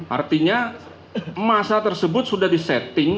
artinya masa tersebut sudah disetting